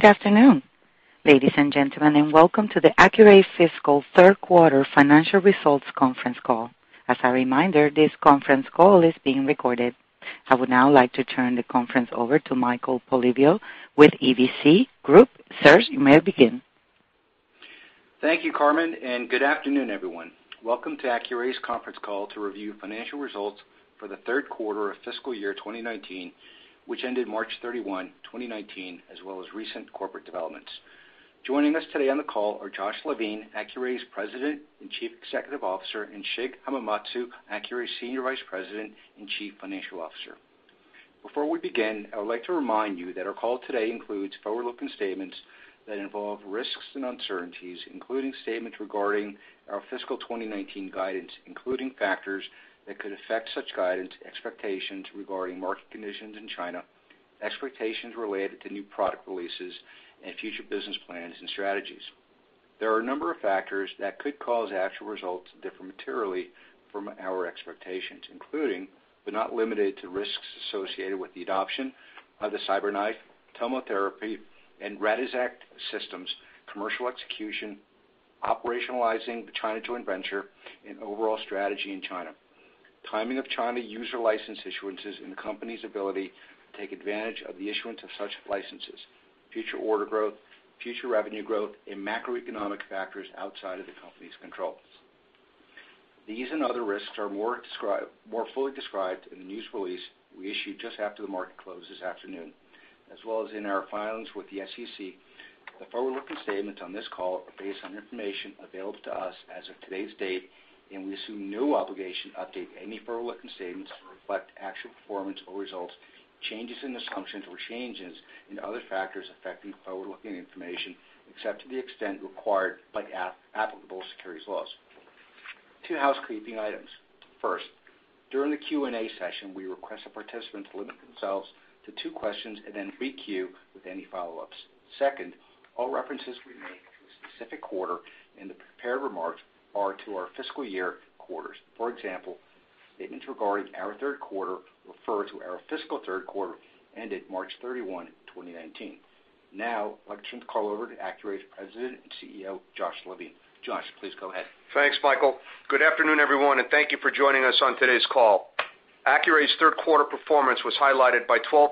Good afternoon, ladies and gentlemen. Welcome to the Accuray fiscal third quarter financial results conference call. As a reminder, this conference call is being recorded. I would now like to turn the conference over to Michael Polyviou with EVC Group. Sir, you may begin. Thank you, Carmen. Good afternoon, everyone. Welcome to Accuray's conference call to review financial results for the third quarter of FY 2019, which ended March 31, 2019, as well as recent corporate developments. Joining us today on the call are Joshua Levine, Accuray's President and Chief Executive Officer, and Shigeyuki Hamamatsu, Accuray Senior Vice President and Chief Financial Officer. Before we begin, I would like to remind you that our call today includes forward-looking statements that involve risks and uncertainties, including statements regarding our FY 2019 guidance, including factors that could affect such guidance, expectations regarding market conditions in China, expectations related to new product releases, and future business plans and strategies. There are a number of factors that could cause actual results to differ materially from our expectations, including, but not limited to, risks associated with the adoption of the CyberKnife, TomoTherapy, and Radixact Systems commercial execution, operationalizing the China joint venture, and overall strategy in China. Timing of China user license issuances, and the company's ability to take advantage of the issuance of such licenses. Future order growth, future revenue growth, and macroeconomic factors outside of the company's control. These and other risks are more fully described in the news release we issued just after the market closed this afternoon, as well as in our filings with the SEC. The forward-looking statements on this call are based on information available to us as of today's date. We assume no obligation to update any forward-looking statements to reflect actual performance or results, changes in assumptions, or changes in other factors affecting forward-looking information, except to the extent required by applicable securities laws. Two housekeeping items. First, during the Q&A session, we request that participants limit themselves to two questions and then re-queue with any follow-ups. Second, all references we make to a specific quarter in the prepared remarks are to our fiscal year quarters. For example, statements regarding our third quarter refer to our fiscal third quarter ended March 31, 2019. Now, I'd like to turn the call over to Accuray's President and CEO, Joshua Levine. Josh, please go ahead. Thanks, Michael. Good afternoon, everyone, and thank you for joining us on today's call. Accuray's third quarter performance was highlighted by 12%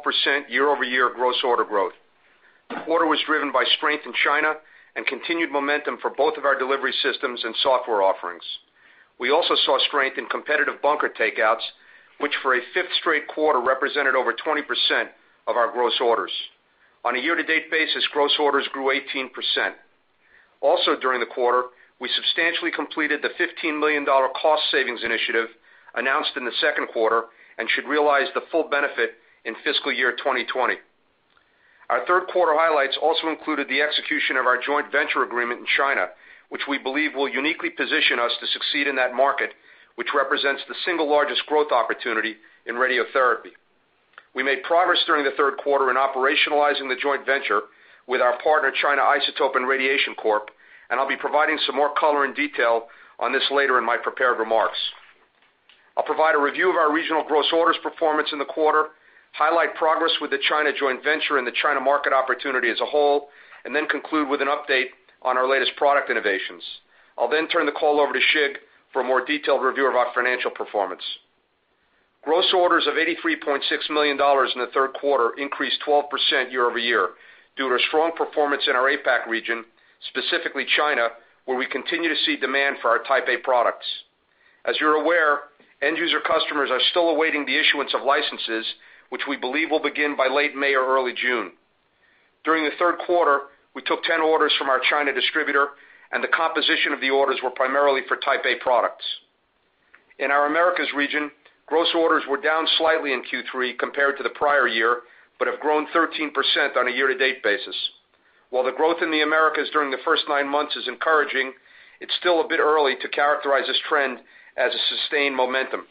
year-over-year gross order growth. The quarter was driven by strength in China and continued momentum for both of our delivery systems and software offerings. We also saw strength in competitive bunker takeouts, which for a fifth straight quarter represented over 20% of our gross orders. On a year-to-date basis, gross orders grew 18%. Also during the quarter, we substantially completed the $15 million cost savings initiative announced in the second quarter and should realize the full benefit in FY 2020. Our third quarter highlights also included the execution of our joint venture agreement in China, which we believe will uniquely position us to succeed in that market, which represents the single largest growth opportunity in radiotherapy. We made progress during the third quarter in operationalizing the joint venture with our partner, China Isotope and Radiation Corp, and I'll be providing some more color and detail on this later in my prepared remarks. I'll provide a review of our regional gross orders performance in the quarter, highlight progress with the China joint venture and the China market opportunity as a whole, and then conclude with an update on our latest product innovations. I'll then turn the call over to Shig for a more detailed review of our financial performance. Gross orders of $83.6 million in the third quarter increased 12% year-over-year due to strong performance in our APAC region, specifically China, where we continue to see demand for our Type A products. As you're aware, end user customers are still awaiting the issuance of licenses, which we believe will begin by late May or early June. During the third quarter, we took 10 orders from our China distributor, and the composition of the orders were primarily for Type A products. In our Americas region, gross orders were down slightly in Q3 compared to the prior year, but have grown 13% on a year-to-date basis. While the growth in the Americas during the first nine months is encouraging, it's still a bit early to characterize this trend as a sustained momentum.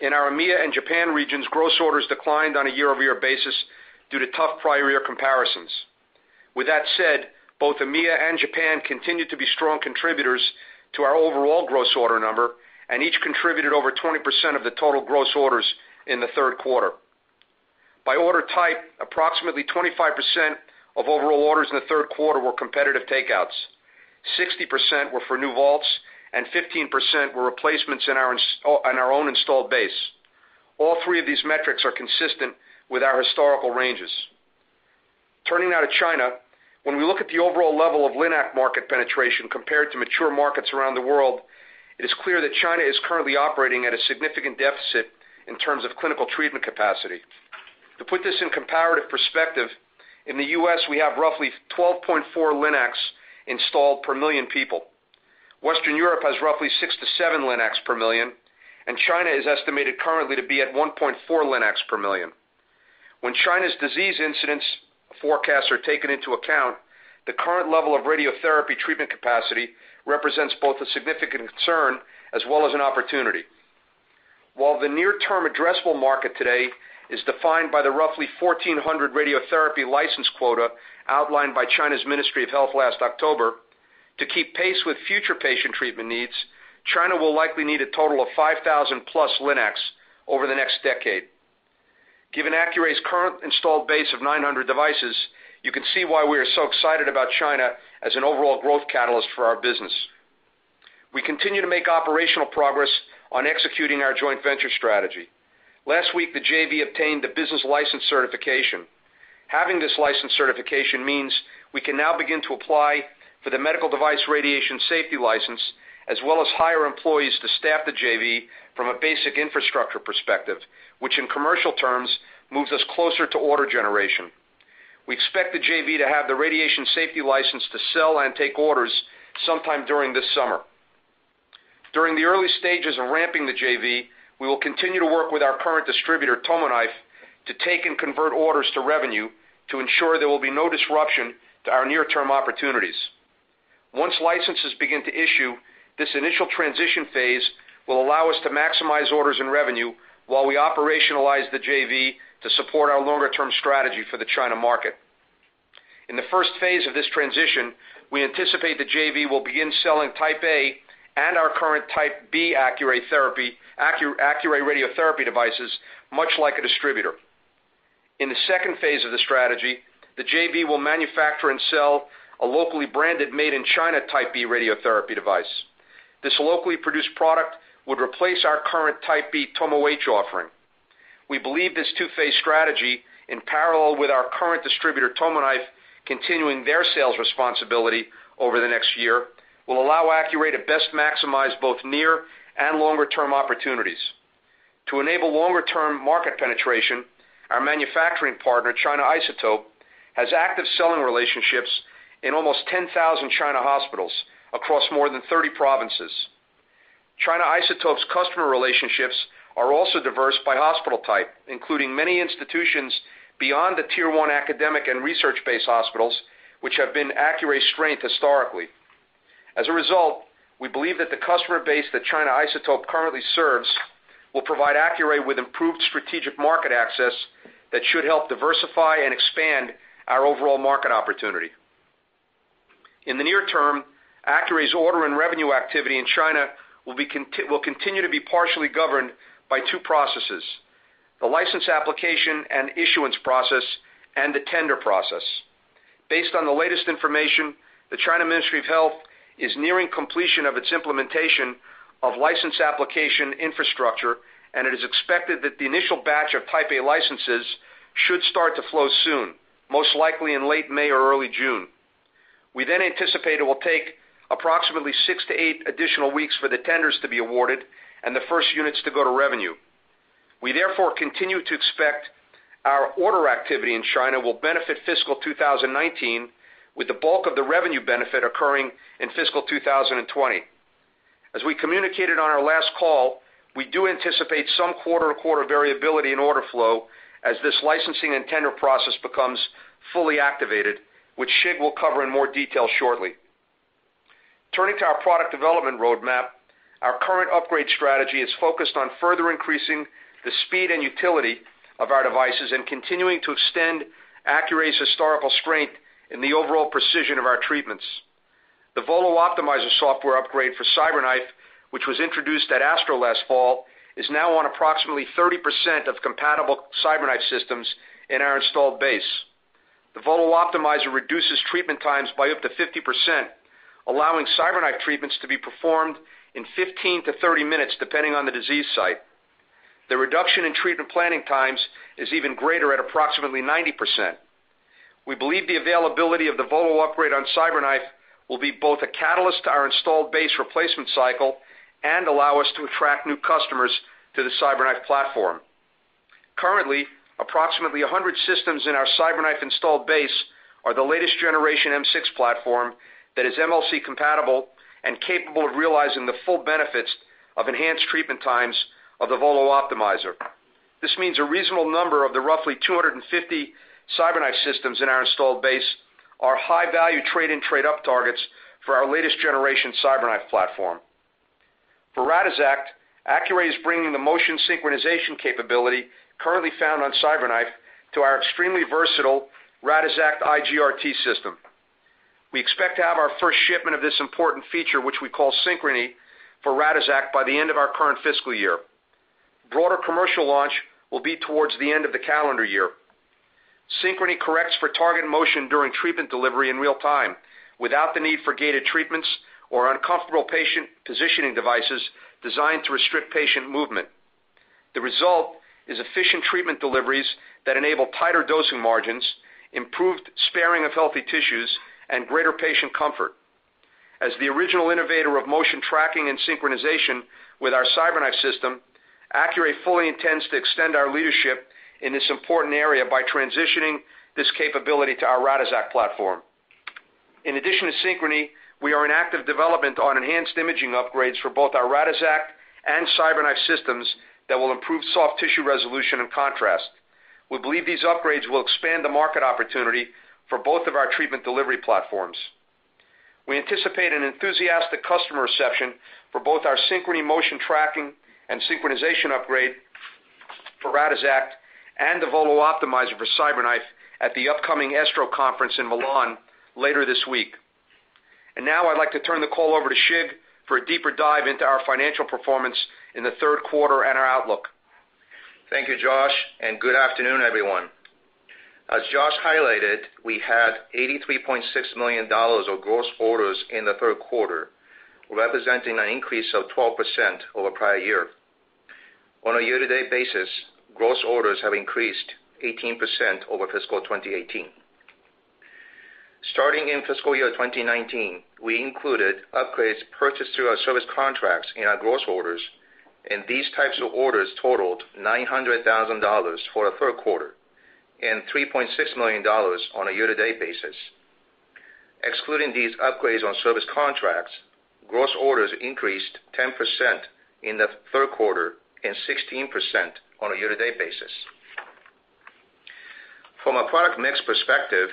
In our EMEA and Japan regions, gross orders declined on a year-over-year basis due to tough prior year comparisons. With that said, both EMEA and Japan continue to be strong contributors to our overall gross order number and each contributed over 20% of the total gross orders in the third quarter. By order type, approximately 25% of overall orders in the third quarter were competitive takeouts, 60% were for new vaults, and 15% were replacements on our own installed base. All three of these metrics are consistent with our historical ranges. Turning now to China. When we look at the overall level of LINAC market penetration compared to mature markets around the world, it is clear that China is currently operating at a significant deficit in terms of clinical treatment capacity. To put this in comparative perspective, in the U.S., we have roughly 12.4 LINACs installed per million people. Western Europe has roughly six to seven LINACs per million, and China is estimated currently to be at 1.4 LINACs per million. When China's disease incidence forecasts are taken into account, the current level of radiotherapy treatment capacity represents both a significant concern as well as an opportunity. While the near-term addressable market today is defined by the roughly 1,400 radiotherapy license quota outlined by China's Ministry of Health last October. To keep pace with future patient treatment needs, China will likely need a total of 5,000-plus LINACs over the next decade. Given Accuray's current installed base of 900 devices, you can see why we are so excited about China as an overall growth catalyst for our business. We continue to make operational progress on executing our joint venture strategy. Last week, the JV obtained the business license certification. Having this license certification means we can now begin to apply for the medical device radiation safety license, as well as hire employees to staff the JV from a basic infrastructure perspective, which in commercial terms, moves us closer to order generation. We expect the JV to have the radiation safety license to sell and take orders sometime during this summer. During the early stages of ramping the JV, we will continue to work with our current distributor, TomoKnife, to take and convert orders to revenue to ensure there will be no disruption to our near-term opportunities. Once licenses begin to issue, this initial transition phase will allow us to maximize orders and revenue while we operationalize the JV to support our longer-term strategy for the China market. In the first phase of this transition, we anticipate the JV will begin selling Type A and our current Type B Accuray radiotherapy devices, much like a distributor. In the second phase of the strategy, the JV will manufacture and sell a locally branded, made-in-China Type B radiotherapy device. This locally produced product would replace our current Type B TomoH offering. We believe this two-phase strategy, in parallel with our current distributor, TomoKnife, continuing their sales responsibility over the next year, will allow Accuray to best maximize both near and longer-term opportunities. To enable longer-term market penetration, our manufacturing partner, China Isotope, has active selling relationships in almost 10,000 China hospitals across more than 30 provinces. China Isotope's customer relationships are also diverse by hospital type, including many institutions beyond the Tier 1 academic and research-based hospitals, which have been Accuray's strength historically. As a result, we believe that the customer base that China Isotope currently serves will provide Accuray with improved strategic market access that should help diversify and expand our overall market opportunity. In the near term, Accuray's order and revenue activity in China will continue to be partially governed by two processes, the license application and issuance process, and the tender process. Based on the latest information, the China Ministry of Health is nearing completion of its implementation of license application infrastructure, and it is expected that the initial batch of Type A licenses should start to flow soon, most likely in late May or early June. We anticipate it will take approximately six to eight additional weeks for the tenders to be awarded and the first units to go to revenue. We therefore continue to expect our order activity in China will benefit fiscal 2019 with the bulk of the revenue benefit occurring in fiscal 2020. As we communicated on our last call, we do anticipate some quarter-to-quarter variability in order flow as this licensing and tender process becomes fully activated, which Shig will cover in more detail shortly. Turning to our product development roadmap, our current upgrade strategy is focused on further increasing the speed and utility of our devices and continuing to extend Accuray's historical strength in the overall precision of our treatments. The VOLO Optimizer software upgrade for CyberKnife, which was introduced at ASTRO last fall, is now on approximately 30% of compatible CyberKnife systems in our installed base. The VOLO Optimizer reduces treatment times by up to 50%, allowing CyberKnife treatments to be performed in 15 to 30 minutes, depending on the disease site. The reduction in treatment planning times is even greater at approximately 90%. We believe the availability of the VOLO upgrade on CyberKnife will be both a catalyst to our installed base replacement cycle and allow us to attract new customers to the CyberKnife platform. Currently, approximately 100 systems in our CyberKnife installed base are the latest Generation M6 platform that is MLC-compatible and capable of realizing the full benefits of enhanced treatment times of the VOLO Optimizer. This means a reasonable number of the roughly 250 CyberKnife systems in our installed base are high-value trade-in, trade-up targets for our latest generation CyberKnife platform. For Radixact, Accuray is bringing the motion synchronization capability currently found on CyberKnife to our extremely versatile Radixact IGRT system. We expect to have our first shipment of this important feature, which we call Synchrony for Radixact, by the end of our current fiscal year. Broader commercial launch will be towards the end of the calendar year. Synchrony corrects for target motion during treatment delivery in real time without the need for gated treatments or uncomfortable patient positioning devices designed to restrict patient movement. The result is efficient treatment deliveries that enable tighter dosing margins, improved sparing of healthy tissues, and greater patient comfort. As the original innovator of motion tracking and synchronization with our CyberKnife system, Accuray fully intends to extend our leadership in this important area by transitioning this capability to our Radixact platform. In addition to Synchrony, we are in active development on enhanced imaging upgrades for both our Radixact and CyberKnife systems that will improve soft tissue resolution and contrast. We anticipate an enthusiastic customer reception for both our Synchrony motion tracking and synchronization upgrade for Radixact and the VOLO Optimizer for CyberKnife at the upcoming ESTRO conference in Milan later this week. Now I'd like to turn the call over to Shig for a deeper dive into our financial performance in the third quarter and our outlook. Thank you, Josh, and good afternoon, everyone. As Josh highlighted, we had $83.6 million of gross orders in the third quarter, representing an increase of 12% over prior year. On a year-to-date basis, gross orders have increased 18% over fiscal 2018. Starting in fiscal year 2019, we included upgrades purchased through our service contracts in our gross orders, these types of orders totaled $900,000 for the third quarter and $3.6 million on a year-to-date basis. Excluding these upgrades on service contracts, gross orders increased 10% in the third quarter and 16% on a year-to-date basis. From a product mix perspective,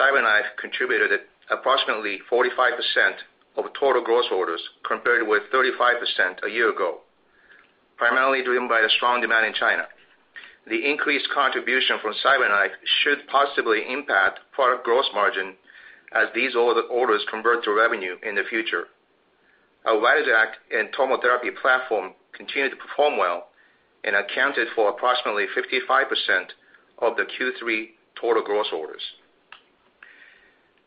CyberKnife contributed approximately 45% of total gross orders compared with 35% a year ago, primarily driven by the strong demand in China. The increased contribution from CyberKnife should positively impact product gross margin as these orders convert to revenue in the future. Our Radixact and TomoTherapy platform continued to perform well and accounted for approximately 55% of the Q3 total gross orders.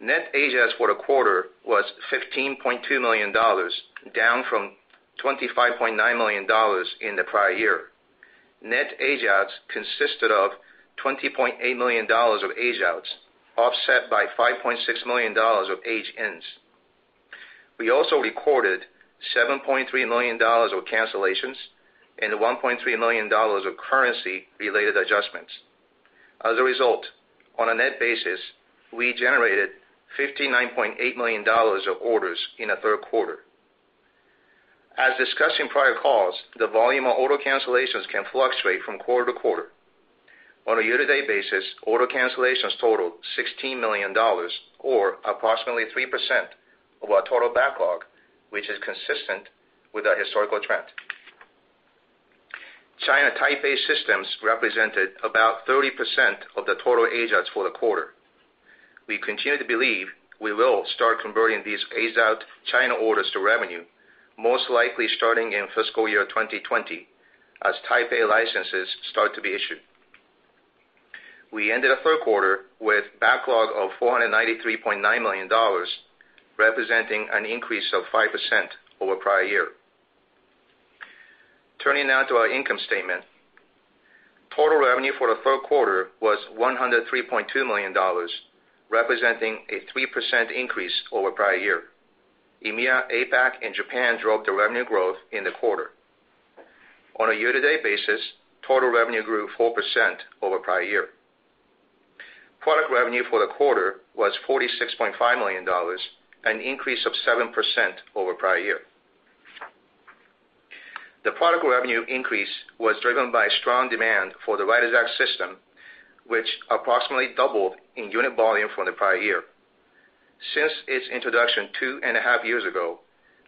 Net age outs for the quarter was $15.2 million, down from $25.9 million in the prior year. Net age outs consisted of $20.8 million of age outs, offset by $5.6 million of age ins. We also recorded $7.3 million of cancellations and $1.3 million of currency-related adjustments. As a result, on a net basis, we generated $59.8 million of orders in the third quarter. As discussed in prior calls, the volume of order cancellations can fluctuate from quarter to quarter. On a year-to-date basis, order cancellations totaled $16 million or approximately 3% of our total backlog, which is consistent with our historical trend. China Type A systems represented about 30% of the total age outs for the quarter. We continue to believe we will start converting these age out China orders to revenue, most likely starting in fiscal year 2020 as Type A licenses start to be issued. We ended the third quarter with backlog of $493.9 million, representing an increase of 5% over prior year. Turning now to our income statement. Total revenue for the third quarter was $103.2 million, representing a 3% increase over prior year. EMEA, APAC, and Japan drove the revenue growth in the quarter. On a year-to-date basis, total revenue grew 4% over prior year. Product revenue for the quarter was $46.5 million, an increase of 7% over prior year. The product revenue increase was driven by strong demand for the Radixact system, which approximately doubled in unit volume from the prior year. Since its introduction two and a half years ago,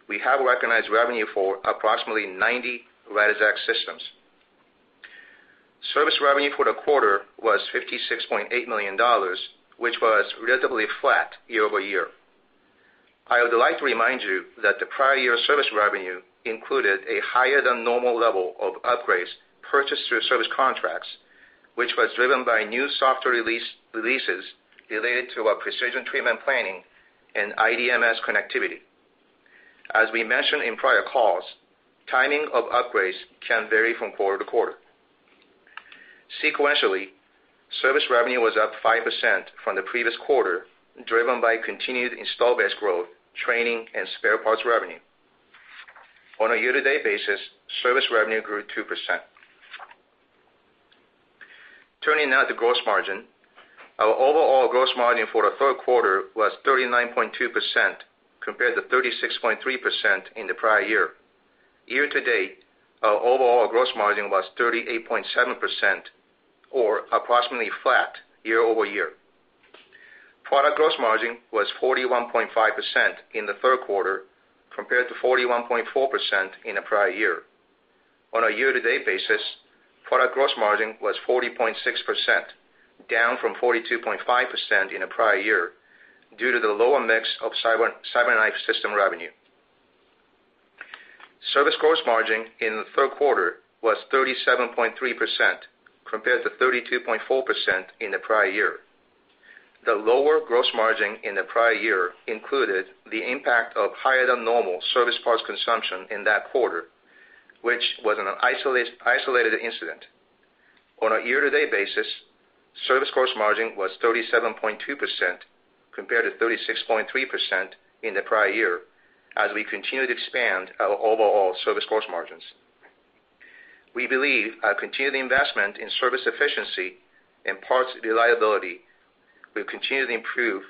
we have recognized revenue for approximately 90 Radixact systems. Service revenue for the quarter was $56.8 million, which was relatively flat year-over-year. I would like to remind you that the prior year service revenue included a higher than normal level of upgrades purchased through service contracts, which was driven by new software releases related to our precision treatment planning and iDMS connectivity. As we mentioned in prior calls, timing of upgrades can vary from quarter to quarter. Sequentially, service revenue was up 5% from the previous quarter, driven by continued install base growth, training, and spare parts revenue. On a year-to-date basis, service revenue grew 2%. Turning now to gross margin. Our overall gross margin for the third quarter was 39.2% compared to 36.3% in the prior year. Year-to-date, our overall gross margin was 38.7% or approximately flat year-over-year. Product gross margin was 41.5% in the third quarter, compared to 41.4% in the prior year. On a year-to-date basis, product gross margin was 40.6%, down from 42.5% in the prior year due to the lower mix of CyberKnife system revenue. Service gross margin in the third quarter was 37.3% compared to 32.4% in the prior year. The lower gross margin in the prior year included the impact of higher than normal service parts consumption in that quarter, which was an isolated incident. On a year-to-date basis, service gross margin was 37.2% compared to 36.3% in the prior year as we continue to expand our overall service gross margins. We believe our continued investment in service efficiency and parts reliability will continue to improve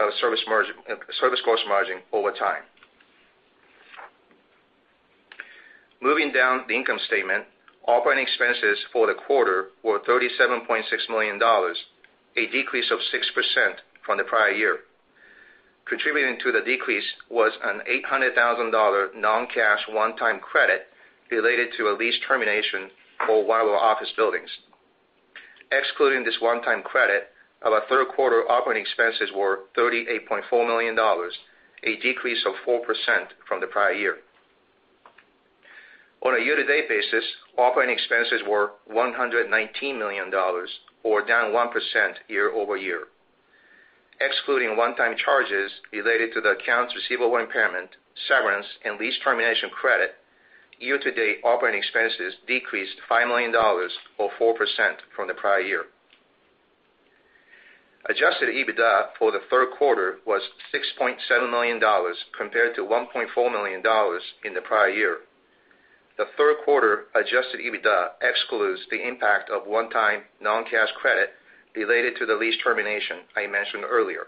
our service gross margin over time. Moving down the income statement, operating expenses for the quarter were $37.6 million, a decrease of 6% from the prior year. Contributing to the decrease was an $800,000 non-cash one-time credit related to a lease termination for one of our office buildings. Excluding this one-time credit, our third quarter operating expenses were $38.4 million, a decrease of 4% from the prior year. On a year-to-date basis, operating expenses were $119 million or down 1% year-over-year. Excluding one-time charges related to the accounts receivable impairment, severance, and lease termination credit, year-to-date operating expenses decreased $5 million or 4% from the prior year. Adjusted EBITDA for the third quarter was $6.7 million compared to $1.4 million in the prior year. The third quarter Adjusted EBITDA excludes the impact of one-time non-cash credit related to the lease termination I mentioned earlier.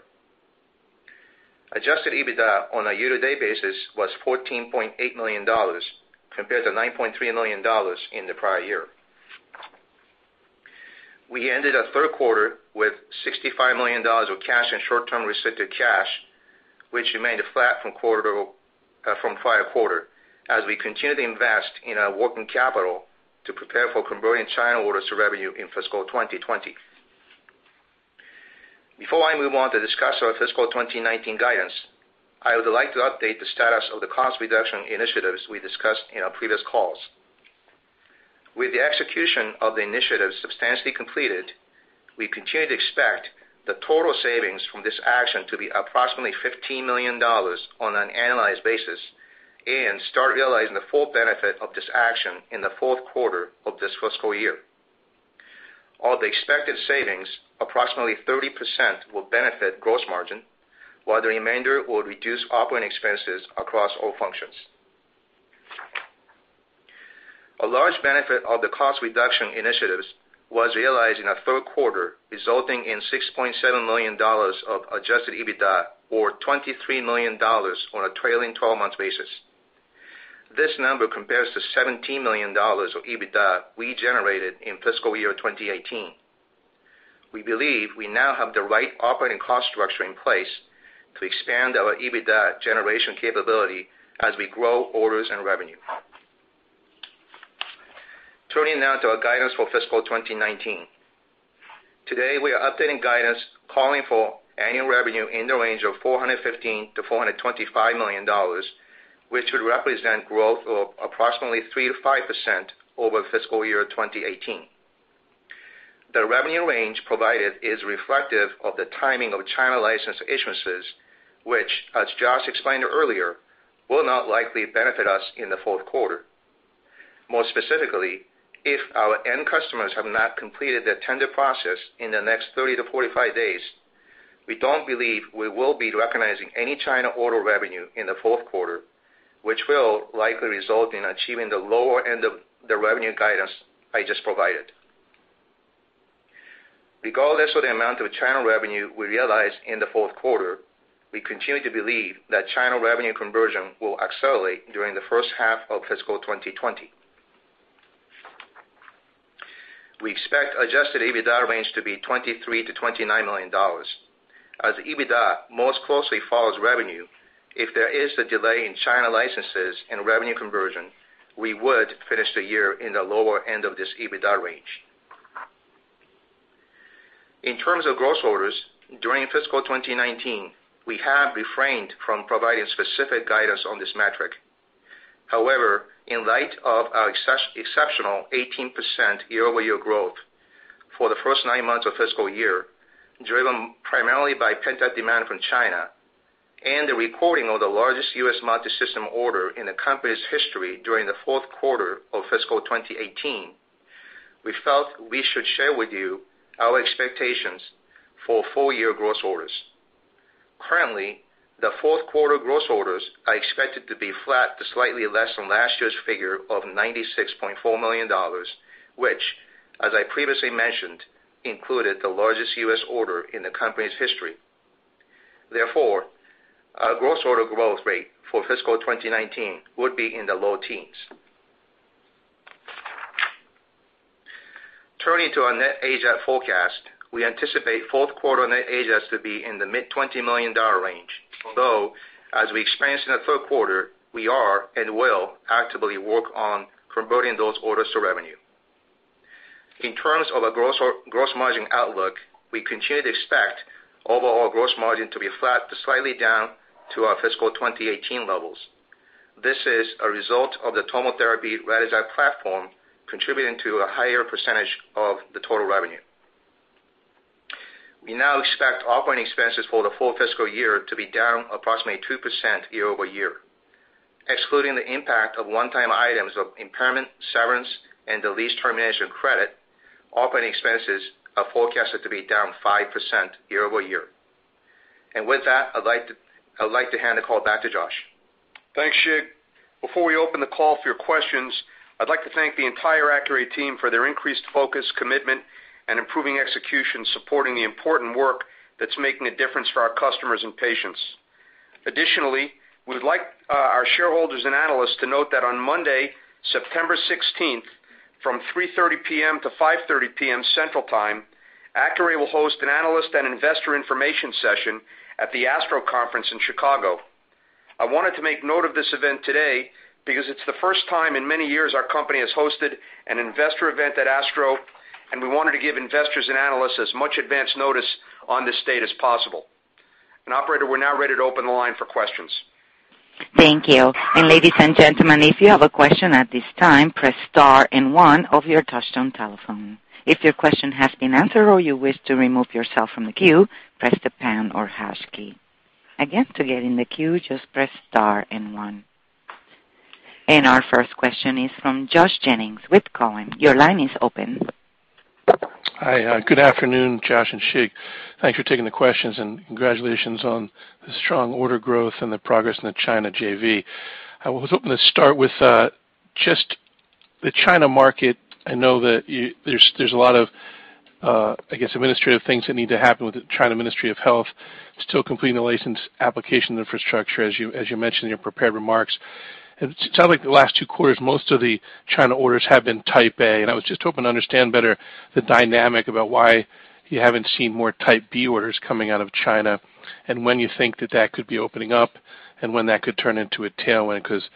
Adjusted EBITDA on a year-to-date basis was $14.8 million compared to $9.3 million in the prior year. We ended our third quarter with $65 million of cash and short-term restricted cash, which remained flat from prior quarter as we continue to invest in our working capital to prepare for converting China orders to revenue in fiscal 2020. Before I move on to discuss our fiscal 2019 guidance, I would like to update the status of the cost reduction initiatives we discussed in our previous calls. With the execution of the initiatives substantially completed, we continue to expect the total savings from this action to be approximately $15 million on an annualized basis and start realizing the full benefit of this action in the fourth quarter of this fiscal year. Of the expected savings, approximately 30% will benefit gross margin, while the remainder will reduce operating expenses across all functions. A large benefit of the cost reduction initiatives was realized in our third quarter, resulting in $6.7 million of Adjusted EBITDA, or $23 million on a trailing 12-month basis. This number compares to $17 million of EBITDA we generated in fiscal year 2018. We believe we now have the right operating cost structure in place to expand our EBITDA generation capability as we grow orders and revenue. Turning now to our guidance for fiscal 2019. Today, we are updating guidance calling for annual revenue in the range of $415 million-$425 million, which would represent growth of approximately 3%-5% over fiscal year 2018. The revenue range provided is reflective of the timing of China license issuances, which, as Josh explained earlier, will not likely benefit us in the fourth quarter. More specifically, if our end customers have not completed their tender process in the next 30-45 days, we don't believe we will be recognizing any China order revenue in the fourth quarter, which will likely result in achieving the lower end of the revenue guidance I just provided. Regardless of the amount of China revenue we realize in the fourth quarter, we continue to believe that China revenue conversion will accelerate during the first half of fiscal 2020. We expect adjusted EBITDA range to be $23 million-$29 million. As EBITDA most closely follows revenue, if there is a delay in China licenses and revenue conversion, we would finish the year in the lower end of this EBITDA range. In terms of gross orders, during fiscal 2019, we have refrained from providing specific guidance on this metric. In light of our exceptional 18% year-over-year growth for the first nine months of fiscal year, driven primarily by pent-up demand from China and the reporting of the largest U.S. multi-system order in the company's history during the fourth quarter of fiscal 2018, we felt we should share with you our expectations for full-year gross orders. Currently, the fourth quarter gross orders are expected to be flat to slightly less than last year's figure of $96.4 million, which, as I previously mentioned, included the largest U.S. order in the company's history. Therefore, our gross order growth rate for fiscal 2019 would be in the low teens. Turning to our net AGES forecast, we anticipate fourth quarter net AGES to be in the mid-$20 million range, although, as we experienced in the third quarter, we are and will actively work on converting those orders to revenue. In terms of our gross margin outlook, we continue to expect overall gross margin to be flat to slightly down to our fiscal 2018 levels. This is a result of the TomoTherapy Radixact platform contributing to a higher percentage of the total revenue. We now expect operating expenses for the full fiscal year to be down approximately 2% year-over-year. Excluding the impact of one-time items of impairment, severance, and the lease termination credit, operating expenses are forecasted to be down 5% year-over-year. With that, I'd like to hand the call back to Josh. Thanks, Shig. Before we open the call for your questions, I'd like to thank the entire Accuray team for their increased focus, commitment, and improving execution supporting the important work that's making a difference for our customers and patients. Additionally, we'd like our shareholders and analysts to note that on Monday, September 16th, from 3:30 P.M.-5:30 P.M. Central Time, Accuray will host an analyst and investor information session at the ASTRO Conference in Chicago. I wanted to make note of this event today because it's the first time in many years our company has hosted an investor event at ASTRO, and we wanted to give investors and analysts as much advance notice on this date as possible. Operator, we're now ready to open the line for questions. Thank you. Ladies and gentlemen, if you have a question at this time, press star and one of your touchtone telephone. If your question has been answered or you wish to remove yourself from the queue, press the pound or hash key. Again, to get in the queue, just press star and one. Our first question is from Joshua Jennings with Cowen. Your line is open. Hi. Good afternoon, Josh and Shig. Thanks for taking the questions and congratulations on the strong order growth and the progress in the China JV. I was hoping to start with just the China market. I know that there's a lot of, I guess, administrative things that need to happen with the China Ministry of Health to still complete the license application infrastructure, as you mentioned in your prepared remarks. It sounds like the last two quarters, most of the China orders have been Type A. I was just hoping to understand better the dynamic about why you haven't seen more Type B orders coming out of China and when you think that that could be opening up and when that could turn into a tailwind because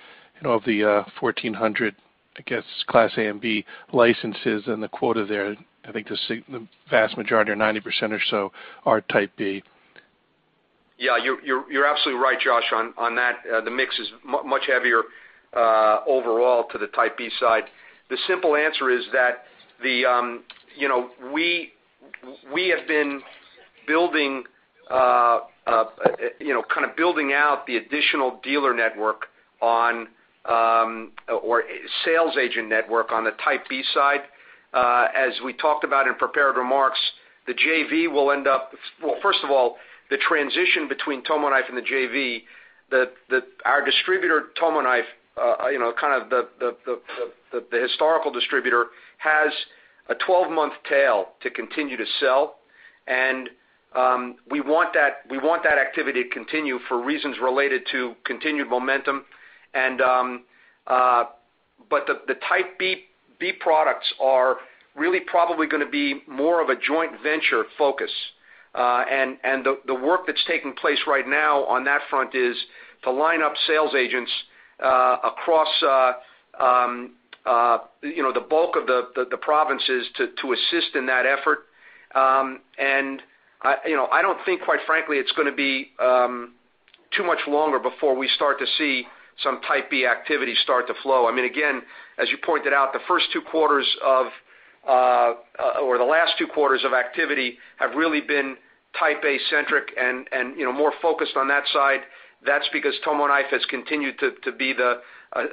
of the 1,400, I guess, Class A and B licenses and the quota there, I think the vast majority or 90% or so are Type B. Yeah, you're absolutely right, Josh, on that. The mix is much heavier overall to the Type B side. The simple answer is that we have been kind of building out the additional dealer network or sales agent network on the Type B side. As we talked about in prepared remarks, the JV will first of all, the transition between TomoKnife and the JV, our distributor, TomoKnife, kind of the historical distributor, has a 12-month tail to continue to sell. We want that activity to continue for reasons related to continued momentum. The Type B products are really probably going to be more of a joint venture focus. The work that's taking place right now on that front is to line up sales agents across the bulk of the provinces to assist in that effort. I don't think, quite frankly, it's going to be too much longer before we start to see some Type B activity start to flow. As you pointed out, the first two quarters of, or the last two quarters of activity have really been Type A centric and more focused on that side. That's because TomoKnife has continued to be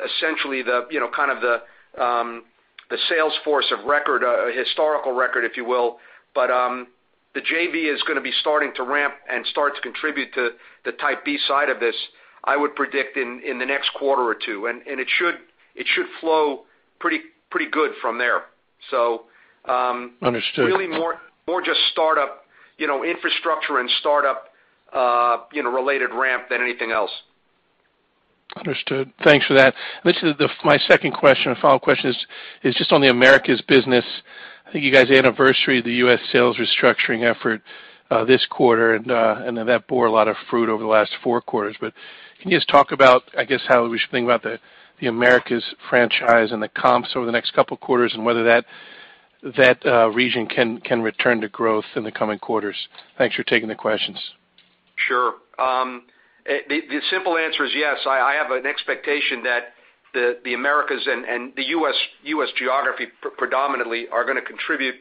essentially the kind of sales force of record, historical record, if you will. The JV is going to be starting to ramp and start to contribute to the Type B side of this, I would predict in the next quarter or two. It should flow pretty good from there. Understood really more just infrastructure and startup related ramp than anything else. Understood. Thanks for that. This is my second question and final question is just on the Americas business. I think you guys anniversary the U.S. sales restructuring effort this quarter, and then that bore a lot of fruit over the last four quarters. Can you just talk about, I guess, how we should think about the Americas franchise and the comps over the next couple of quarters and whether that region can return to growth in the coming quarters? Thanks for taking the questions. Sure. The simple answer is yes. I have an expectation that the Americas and the U.S. geography predominantly are going to contribute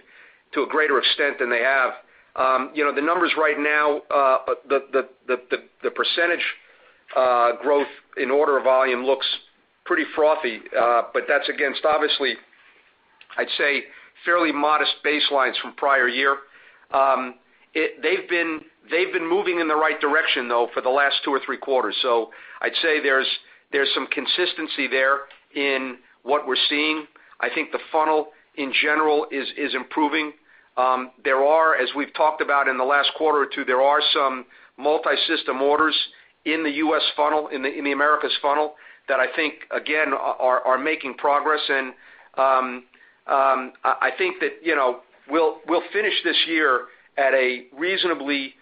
to a greater extent than they have. The numbers right now, the percentage growth in order volume looks pretty frothy, but that's against, obviously, I'd say fairly modest baselines from prior year. They've been moving in the right direction though for the last two or three quarters. I'd say there's some consistency there in what we're seeing. I think the funnel in general is improving. There are, as we've talked about in the last quarter or two, there are some multi-system orders in the U.S. funnel, in the Americas funnel that I think, again, are making progress. I think that we'll finish this year at a reasonably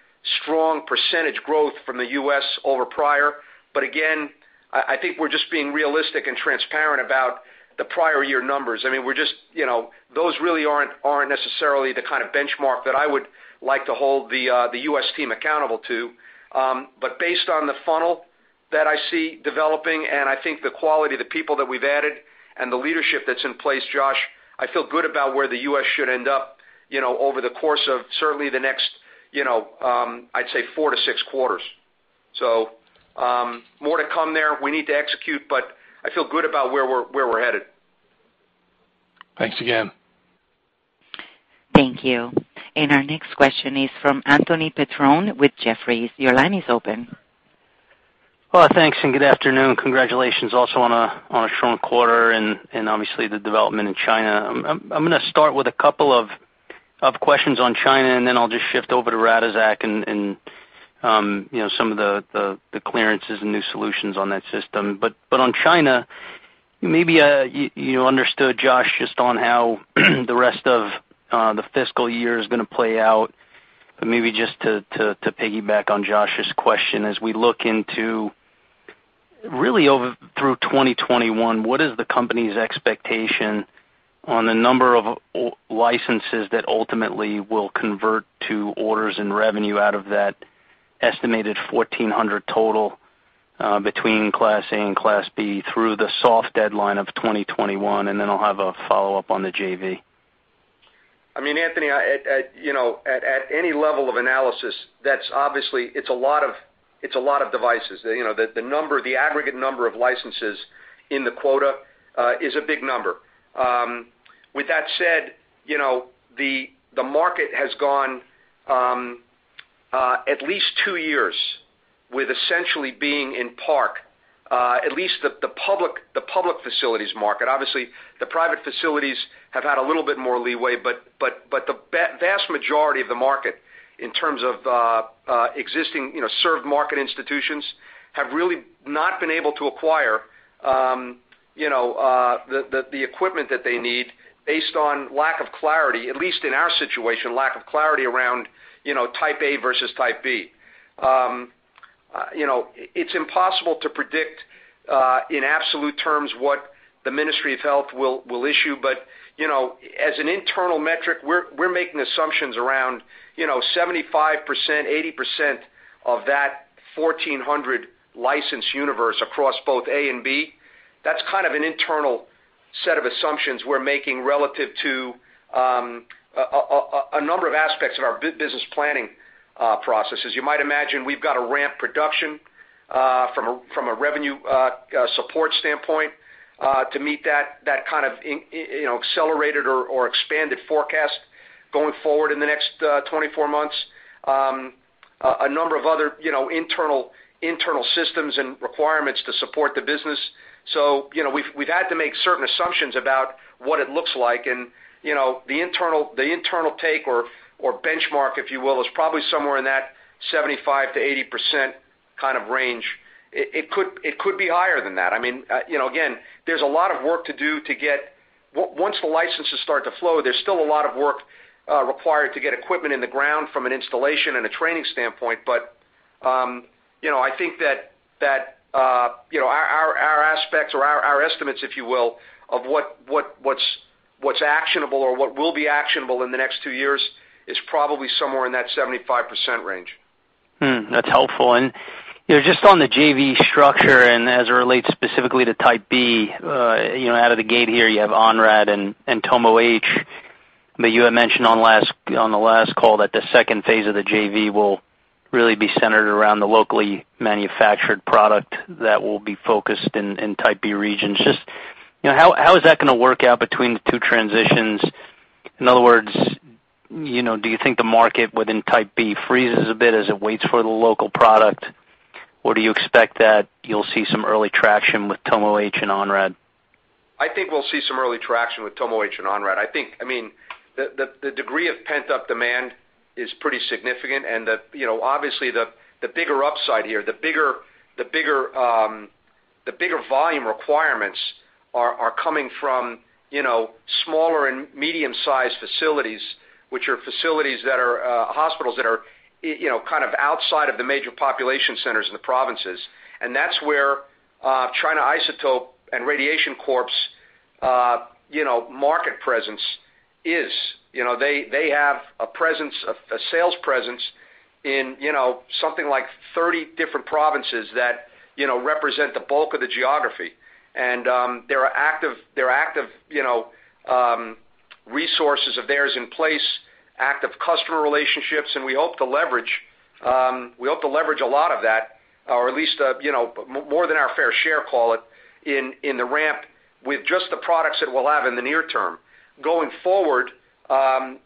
strong percentage growth from the U.S. over prior. I think we're just being realistic and transparent about the prior year numbers. Those really aren't necessarily the kind of benchmark that I would like to hold the U.S. team accountable to. Based on the funnel that I see developing and I think the quality of the people that we've added and the leadership that's in place, Josh, I feel good about where the U.S. should end up over the course of certainly the next, I'd say four to six quarters. More to come there. We need to execute, but I feel good about where we're headed. Thanks again. Thank you. Our next question is from Anthony Petrone with Jefferies. Your line is open. Thanks and good afternoon. Congratulations also on a strong quarter and obviously the development in China. I have questions on China, and then I'll just shift over to Radixact and some of the clearances and new solutions on that system. On China, maybe you understood Josh just on how the rest of the fiscal year is going to play out. Maybe just to piggyback on Josh's question, as we look into really through 2021, what is the company's expectation on the number of licenses that ultimately will convert to orders and revenue out of that estimated 1,400 total between Class A and Class B through the soft deadline of 2021? Then I'll have a follow-up on the JV. Anthony, at any level of analysis, obviously it's a lot of devices. The aggregate number of licenses in the quota is a big number. With that said, the market has gone at least 2 years with essentially being in park, at least the public facilities market. Obviously, the private facilities have had a little bit more leeway, but the vast majority of the market in terms of existing served market institutions have really not been able to acquire the equipment that they need based on lack of clarity, at least in our situation, lack of clarity around Type A versus Type B. It's impossible to predict in absolute terms what the Ministry of Health will issue, but as an internal metric, we're making assumptions around 75%-80% of that 1,400 license universe across both A and B. That's an internal set of assumptions we're making relative to a number of aspects of our business planning processes. You might imagine we've got to ramp production from a revenue support standpoint to meet that kind of accelerated or expanded forecast going forward in the next 24 months. A number of other internal systems and requirements to support the business. We've had to make certain assumptions about what it looks like, and the internal take or benchmark, if you will, is probably somewhere in that 75%-80% range. It could be higher than that. Again, there's a lot of work to do to get. Once the licenses start to flow, there's still a lot of work required to get equipment in the ground from an installation and a training standpoint. I think that our aspects or our estimates, if you will, of what's actionable or what will be actionable in the next 2 years is probably somewhere in that 75% range. That's helpful. Just on the JV structure and as it relates specifically to Type B, out of the gate here, you have Onrad and TomoH. You had mentioned on the last call that the second phase of the JV will really be centered around the locally manufactured product that will be focused in Type B regions. Just how is that going to work out between the 2 transitions? In other words, do you think the market within Type B freezes a bit as it waits for the local product? Or do you expect that you'll see some early traction with TomoH and Onrad? I think we'll see some early traction with TomoH and Onrad. The degree of pent-up demand is pretty significant. Obviously, the bigger upside here, the bigger volume requirements are coming from smaller and medium-sized facilities, which are facilities that are hospitals that are outside of the major population centers in the provinces. That's where China Isotope and Radiation Corporation's market presence is. They have a sales presence in something like 30 different provinces that represent the bulk of the geography. There are active resources of theirs in place, active customer relationships, and we hope to leverage a lot of that, or at least more than our fair share, call it, in the ramp with just the products that we'll have in the near term. Going forward, the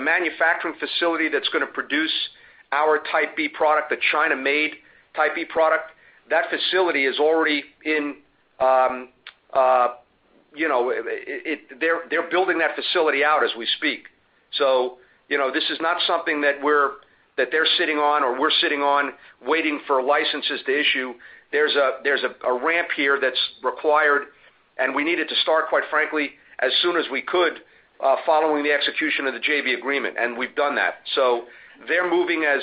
manufacturing facility that's going to produce our Type B product, the China-made Type B product, they're building that facility out as we speak. This is not something that they're sitting on or we're sitting on waiting for licenses to issue. There's a ramp here that's required, and we need it to start, quite frankly, as soon as we could following the execution of the JV agreement, and we've done that. They're moving as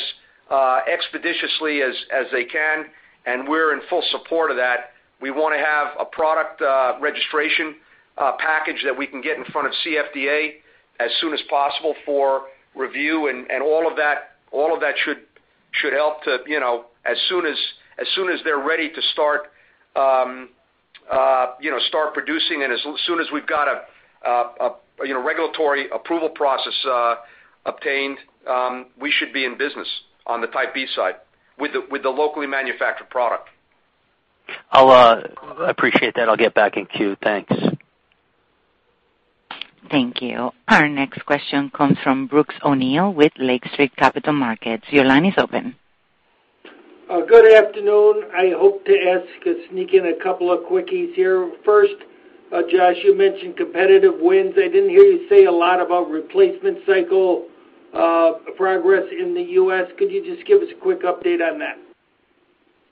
expeditiously as they can, and we're in full support of that. We want to have a product registration package that we can get in front of CFDA as soon as possible for review. All of that should help to, as soon as they're ready to start producing and as soon as we've got a regulatory approval process obtained, we should be in business on the Type B side with the locally manufactured product. I appreciate that. I'll get back in queue. Thanks. Thank you. Our next question comes from Brooks O'Neil with Lake Street Capital Markets. Your line is open. Good afternoon. I hope to sneak in a couple of quickies here. First, Josh, you mentioned competitive wins. I didn't hear you say a lot about replacement cycle progress in the U.S. Could you just give us a quick update on that?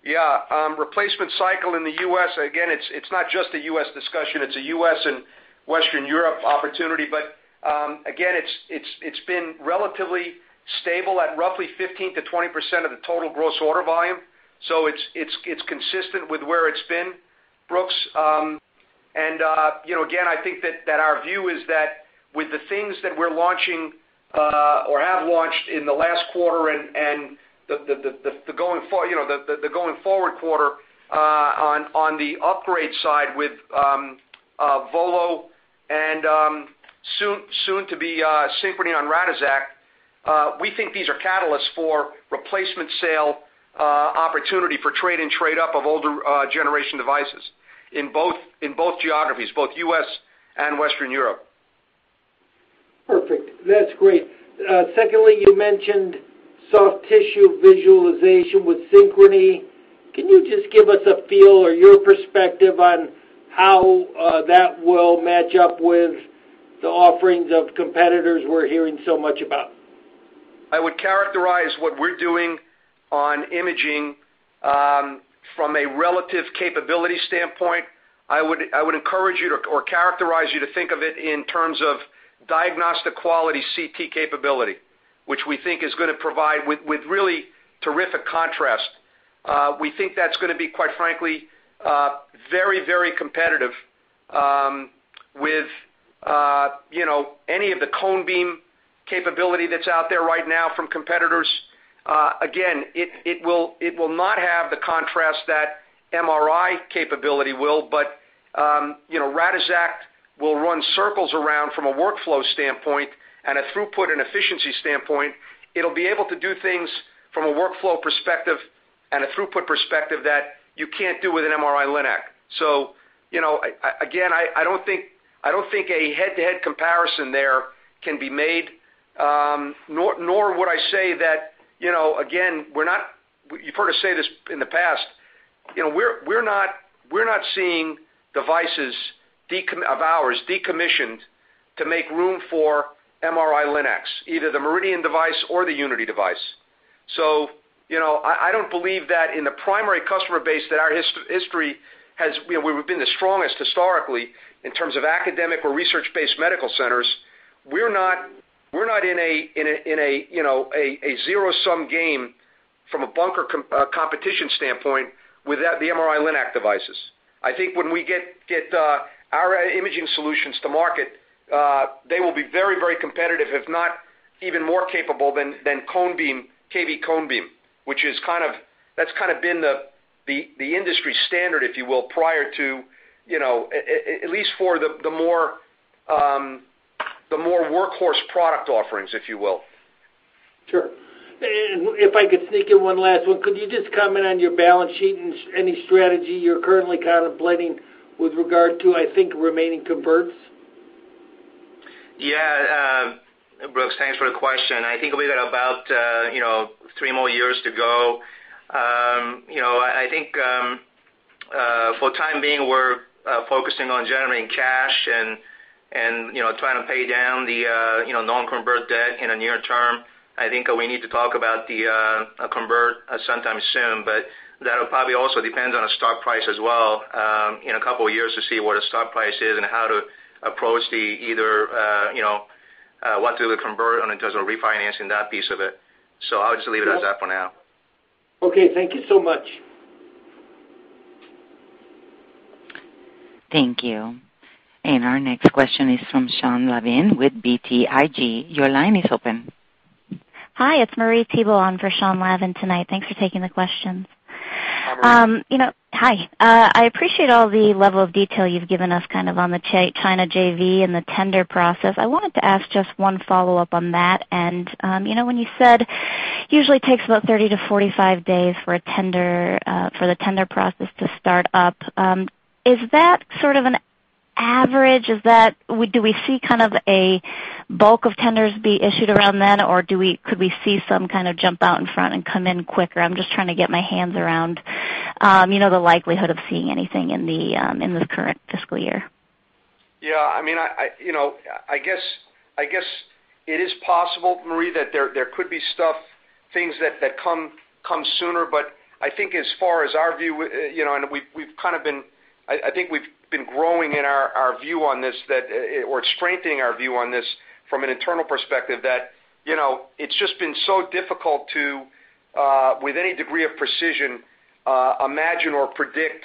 Yeah. Replacement cycle in the U.S., again, it's not just a U.S. discussion, it's a U.S. and Western Europe opportunity. Again, it's been relatively stable at roughly 15%-20% of the total gross order volume. It's consistent with where it's been, Brooks. Again, I think that our view is that with the things that we're launching or have launched in the last quarter and the going forward quarter, on the upgrade side with VOLO and soon to be Synchrony on Radixact, we think these are catalysts for replacement sale opportunity for trade-in and trade-up of older generation devices in both geographies, both U.S. and Western Europe. Perfect. That's great. Secondly, you mentioned soft tissue visualization with Synchrony. Can you just give us a feel or your perspective on how that will match up with the offerings of competitors we're hearing so much about? I would characterize what we're doing on imaging, from a relative capability standpoint. I would encourage you to think of it in terms of diagnostic quality CT capability, which we think is going to provide with really terrific contrast. We think that's going to be quite frankly very competitive with any of the cone beam capability that's out there right now from competitors. Again, it will not have the contrast that MRI capability will, but Radixact will run circles around from a workflow standpoint and a throughput and efficiency standpoint. It'll be able to do things from a workflow perspective and a throughput perspective that you can't do with an MRI-linac. Again, I don't think a head-to-head comparison there can be made. Nor would I say that, again, you've heard us say this in the past, we're not seeing devices of ours decommissioned to make room for MRI-linacs, either the MRIdian device or the Unity device. I don't believe that in the primary customer base that our history has, where we've been the strongest historically in terms of academic or research-based medical centers. We're not in a zero-sum game from a bunker competition standpoint with the MRI-linac devices. I think when we get our imaging solutions to market, they will be very competitive, if not even more capable than kV cone beam. That's kind of been the industry standard, if you will, prior to, at least for the more workhorse product offerings, if you will. Sure. If I could sneak in one last one. Could you just comment on your balance sheet and any strategy you're currently contemplating with regard to, I think, remaining converts? Brooks, thanks for the question. I think we've got about three more years to go. I think, for the time being, we're focusing on generating cash and trying to pay down the non-convert debt in the near term. I think we need to talk about the convert sometime soon, but that'll probably also depend on the stock price as well, in a couple of years to see what the stock price is and how to approach the either, what to do with convert in terms of refinancing that piece of it. I'll just leave it as that for now. Okay. Thank you so much. Thank you. Our next question is from Sean Lavin with BTIG. Your line is open. Hi, it's Marie Thibault on for Sean Lavin tonight. Thanks for taking the question. Hi, Marie. Hi. I appreciate all the level of detail you've given us on the China JV and the tender process. I wanted to ask just one follow-up on that. When you said it usually takes about 30-45 days for the tender process to start up, is that sort of an average? Do we see a bulk of tenders be issued around then, or could we see some kind of jump out in front and come in quicker? I'm just trying to get my hands around the likelihood of seeing anything in this current fiscal year. Yeah. I guess it is possible, Marie, that there could be stuff, things that come sooner. I think as far as our view, and I think we've been growing in our view on this, or strengthening our view on this from an internal perspective that it's just been so difficult to, with any degree of precision, imagine or predict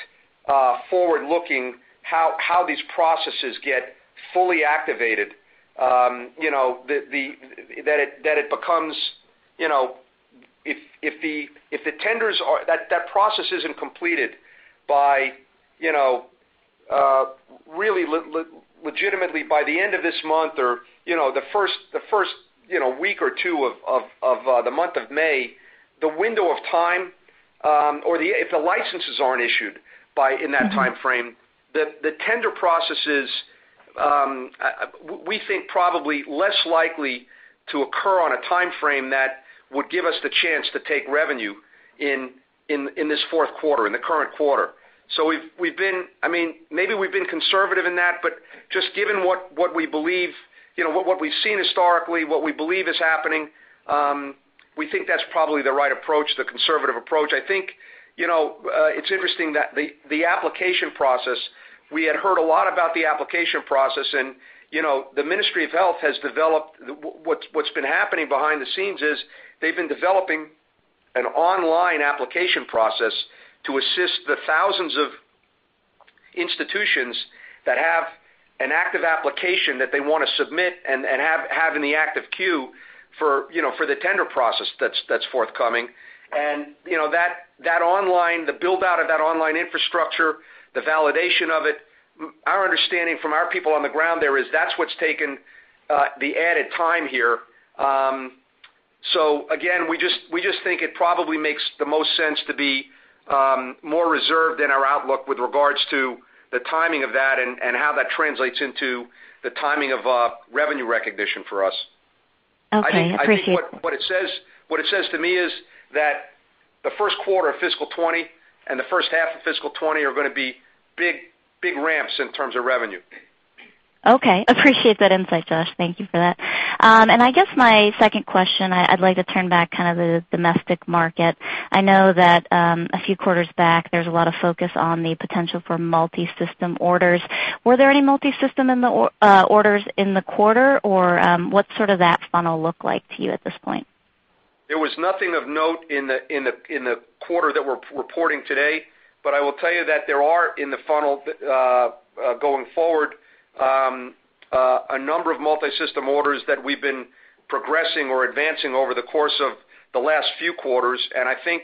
forward-looking how these processes get fully activated. If that process isn't completed by really legitimately by the end of this month or the first week or two of the month of May, the window of time, or if the licenses aren't issued in that timeframe, the tender processes. We think probably less likely to occur on a timeframe that would give us the chance to take revenue in this fourth quarter, in the current quarter. Maybe we've been conservative in that. Just given what we've seen historically, what we believe is happening, we think that's probably the right approach, the conservative approach. I think it's interesting that the application process, we had heard a lot about the application process. The Ministry of Health, what's been happening behind the scenes is they've been developing an online application process to assist the thousands of institutions that have an active application that they want to submit and have in the active queue for the tender process that's forthcoming. The build-out of that online infrastructure, the validation of it, our understanding from our people on the ground there is that's what's taken the added time here. Again, we just think it probably makes the most sense to be more reserved in our outlook with regards to the timing of that and how that translates into the timing of revenue recognition for us. Okay. Appreciate. I think what it says to me is that the first quarter of fiscal 2020 and the first half of fiscal 2020 are going to be big ramps in terms of revenue. Okay. Appreciate that insight, Josh. Thank you for that. I guess my second question, I'd like to turn back kind of the domestic market. I know that a few quarters back, there was a lot of focus on the potential for multi-system orders. Were there any multi-system orders in the quarter, or what sort of that funnel look like to you at this point? There was nothing of note in the quarter that we're reporting today. I will tell you that there are, in the funnel, going forward, a number of multi-system orders that we've been progressing or advancing over the course of the last few quarters, and I think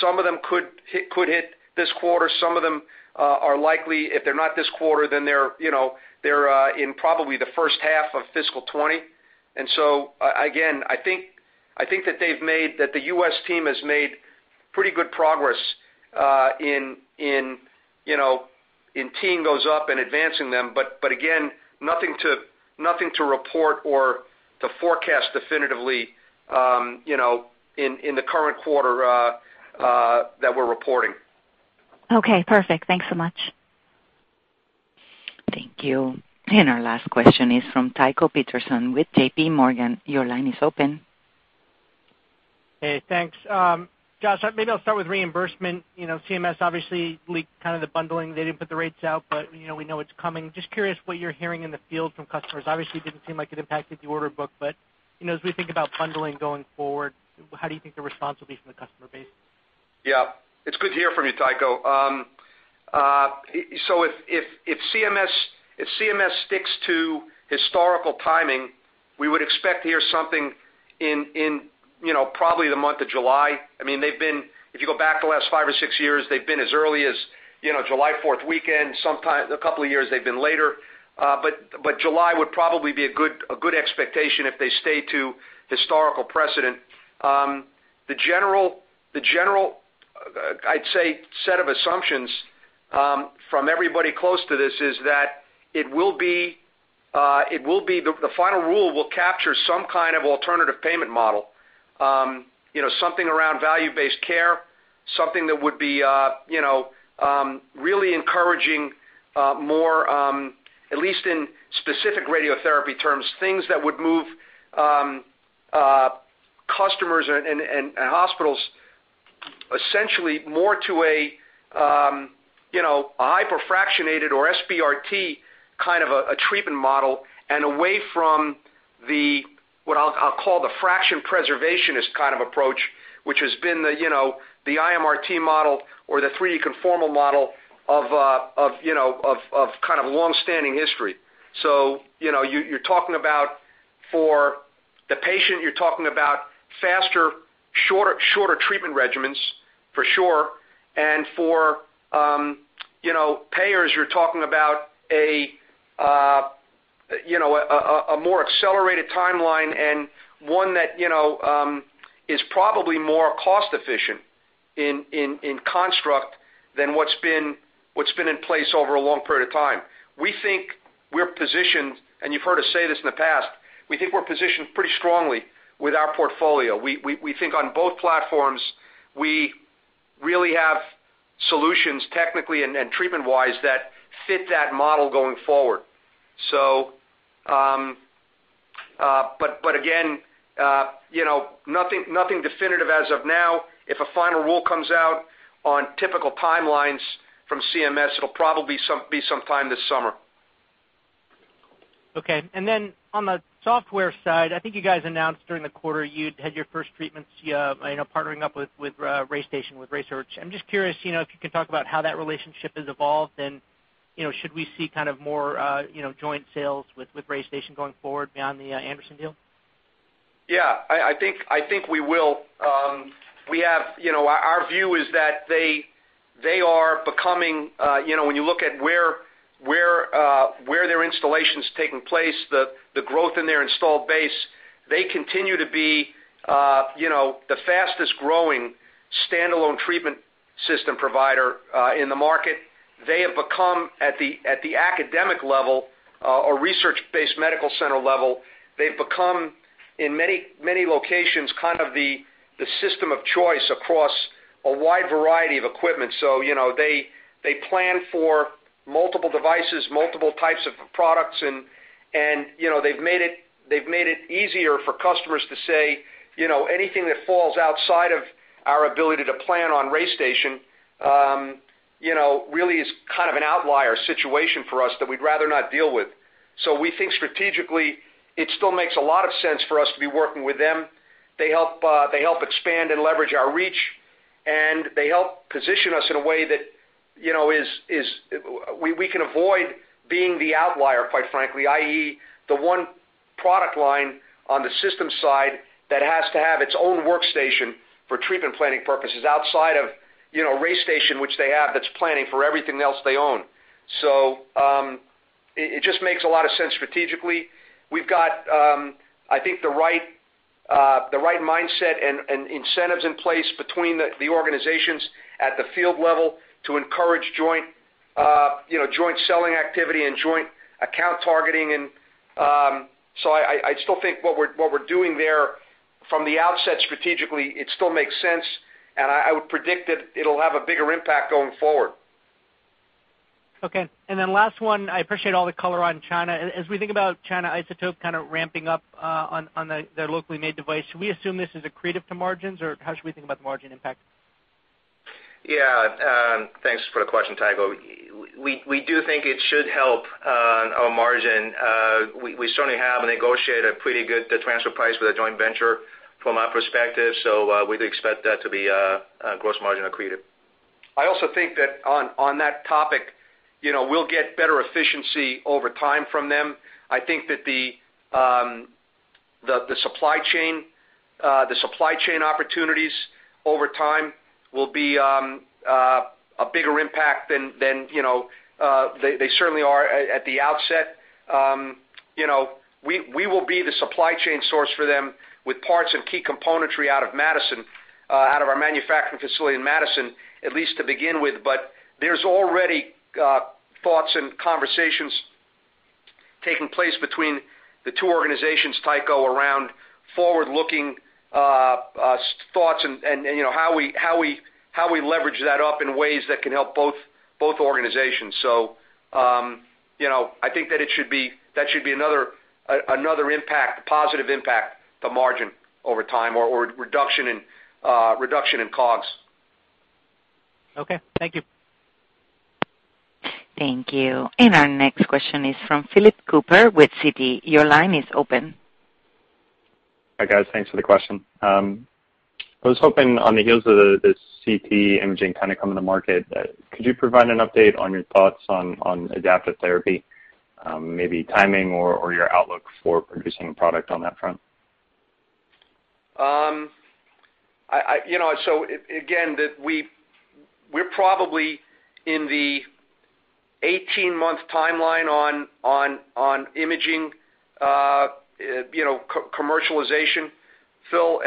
some of them could hit this quarter. Some of them are likely, if they're not this quarter, then they're in probably the first half of fiscal 2020. Again, I think that the U.S. team has made pretty good progress in teeing those up and advancing them. Again, nothing to report or to forecast definitively in the current quarter that we're reporting. Okay, perfect. Thanks so much. Thank you. Our last question is from Tycho Peterson with JPMorgan. Your line is open. Hey, thanks. Josh, maybe I'll start with reimbursement. CMS obviously leaked kind of the bundling. They didn't put the rates out, we know it's coming. Just curious what you're hearing in the field from customers. Obviously, didn't seem like it impacted the order book, as we think about bundling going forward, how do you think the response will be from the customer base? Yeah. It's good to hear from you, Tycho. If CMS sticks to historical timing, we would expect to hear something in probably the month of July. If you go back the last five or six years, they've been as early as July 4th weekend. A couple of years they've been later. July would probably be a good expectation if they stay to historical precedent. The general, I'd say, set of assumptions from everybody close to this is that the final rule will capture some kind of alternative payment model. Something around value-based care, something that would be really encouraging more, at least in specific radiotherapy terms, things that would move customers and hospitals essentially more to a hyperfractionated or SBRT kind of a treatment model, and away from what I'll call the fraction preservationist kind of approach, which has been the IMRT model or the 3D conformal model of kind of longstanding history. For the patient, you're talking about faster, shorter treatment regimens, for sure, and for payers, you're talking about a more accelerated timeline, and one that is probably more cost efficient in construct than what's been in place over a long period of time. We think we're positioned, and you've heard us say this in the past, we think we're positioned pretty strongly with our portfolio. We think on both platforms, we really have solutions technically and treatment-wise that fit that model going forward. Again, nothing definitive as of now. If a final rule comes out on typical timelines from CMS, it'll probably be sometime this summer. Okay. On the software side, I think you guys announced during the quarter you'd had your first treatments partnering up with RayStation, with RaySearch. I'm just curious if you could talk about how that relationship has evolved and should we see kind of more joint sales with RayStation going forward beyond the Anderson deal? Yeah, I think we will. Our view is that when you look at where their installation's taking place, the growth in their installed base, they continue to be the fastest growing standalone treatment system provider in the market. They have become, at the academic level or research-based medical center level, they've become, in many locations, the system of choice across a wide variety of equipment. They plan for multiple devices, multiple types of products, and they've made it easier for customers to say, "Anything that falls outside of our ability to plan on RayStation really is kind of an outlier situation for us that we'd rather not deal with." We think strategically, it still makes a lot of sense for us to be working with them. They help expand and leverage our reach, and they help position us in a way that we can avoid being the outlier, quite frankly, i.e., the one product line on the systems side that has to have its own workstation for treatment planning purposes outside of RayStation, which they have, that's planning for everything else they own. It just makes a lot of sense strategically. We've got I think the right mindset and incentives in place between the organizations at the field level to encourage joint selling activity and joint account targeting, I still think what we're doing there from the outset strategically, it still makes sense, and I would predict that it'll have a bigger impact going forward. Okay. Last one, I appreciate all the color on China. As we think about China Isotope kind of ramping up on their locally made device, should we assume this is accretive to margins, or how should we think about the margin impact? Yeah. Thanks for the question, Tycho. We do think it should help our margin. We certainly have negotiated a pretty good transfer price with our joint venture from our perspective, we'd expect that to be gross margin accretive. I also think that on that topic, we'll get better efficiency over time from them. I think that the supply chain opportunities over time will be a bigger impact than they certainly are at the outset. We will be the supply chain source for them with parts and key componentry out of Madison, out of our manufacturing facility in Madison, at least to begin with. There's already thoughts and conversations taking place between the two organizations, Tycho, around forward-looking thoughts and how we leverage that up in ways that can help both organizations. I think that should be another positive impact to margin over time or reduction in COGS. Okay. Thank you. Thank you. Our next question is from Phillip Cooper with Citi. Your line is open. Hi, guys. Thanks for the question. I was hoping on the heels of the CT imaging kind of coming to market, could you provide an update on your thoughts on adaptive therapy, maybe timing or your outlook for producing a product on that front? Again, we're probably in the 18-month timeline on imaging commercialization, Phil,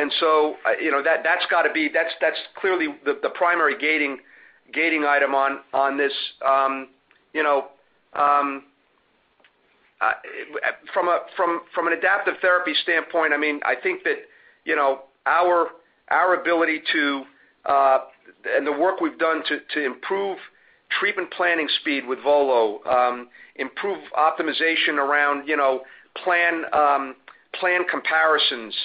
that's clearly the primary gating item on this. From an adaptive therapy standpoint, I think that our ability to And the work we've done to improve treatment planning speed with VOLO, improve optimization around plan comparisons,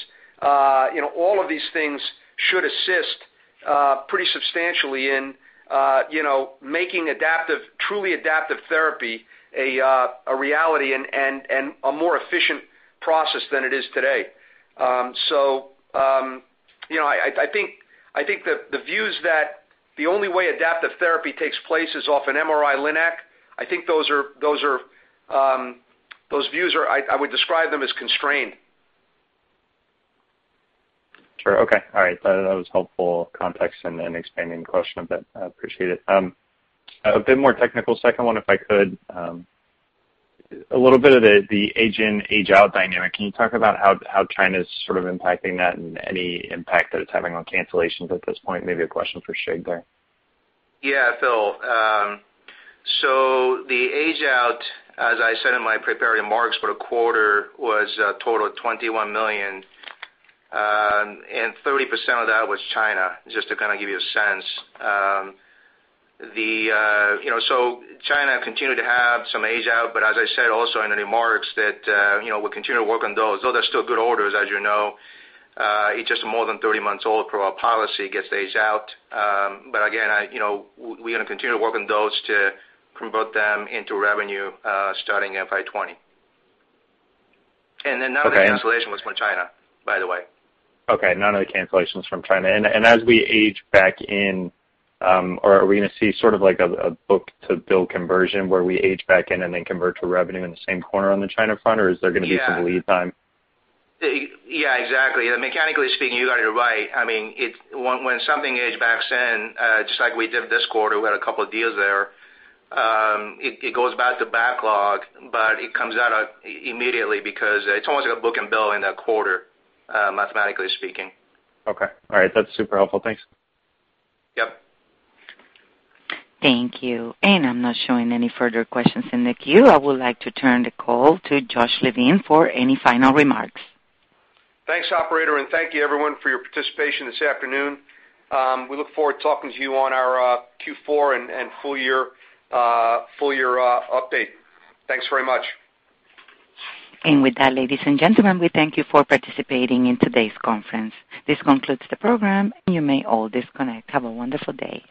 all of these things should assist pretty substantially in making truly adaptive therapy a reality and a more efficient process than it is today. I think the views that the only way adaptive therapy takes place is off an MRI-linac, I think those views are, I would describe them as constrained. Sure. Okay. All right. That was helpful context and expanding the question a bit. I appreciate it. A bit more technical second one, if I could. A little bit of the age in, age out dynamic. Can you talk about how China's sort of impacting that and any impact that it's having on cancellations at this point? Maybe a question for Shig there. Phil. The age out, as I said in my prepared remarks for the quarter, was a total of $21 million, and 30% of that was China, just to kind of give you a sense. China continued to have some age out, as I said also in the remarks that we'll continue to work on those. Those are still good orders, as you know. It's just more than 30 months old per our policy, it gets aged out. Again, we're going to continue to work on those to convert them into revenue starting in FY 2020. Okay. None of the cancellation was from China, by the way. None of the cancellations from China. As we age back in, are we going to see sort of like a book-to-bill conversion where we age back in and then convert to revenue in the same quarter on the China front or is there going to be- Yeah some lead time? Exactly. Mechanically speaking, you got it right. When something backlogs in, just like we did this quarter, we had a couple of deals there, it goes back to backlog, it comes out immediately because it's almost like a book and bill in that quarter, mathematically speaking. Okay. All right. That's super helpful. Thanks. Yep. Thank you. I'm not showing any further questions in the queue. I would like to turn the call to Joshua Levine for any final remarks. Thanks, operator. Thank you everyone for your participation this afternoon. We look forward to talking to you on our Q4 and full year update. Thanks very much. With that, ladies and gentlemen, we thank you for participating in today's conference. This concludes the program. You may all disconnect. Have a wonderful day.